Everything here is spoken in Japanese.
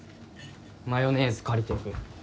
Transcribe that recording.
マヨネーズ借りてく。